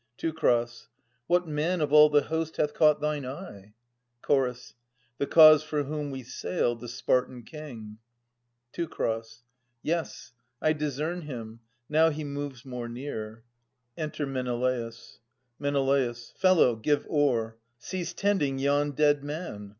Teu. What man of all the host hath caught thine eye ? 1045 1074] A las 89 Ch. The cause for whom we sailed, the Spartan King. Teu. Yes; I discern him, now he moves more near. Enter Menelaus. Menelaus. Fellow, give o'er. Cease tending yon dead man